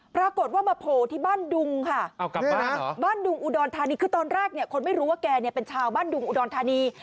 ปรากฏว่ามาโผล่ที่บ้านดุงค่ะบ้านดุงอุดรธานีคือตอนแรกเนี่ยคนไม่รู้ว่าแกเนี่ยเป็นชาวบ้านดุงอุดรธานี